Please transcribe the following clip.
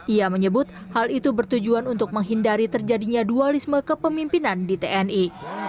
ia menyebut hal itu bertujuan untuk menghindari terjadinya dualisme kepemimpinan di tni